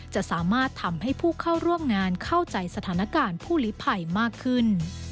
จะสามารถทำให้ผู้เข้าร่วมงานเข้าใจสถานการณ์ผู้ลิภัยมากขึ้น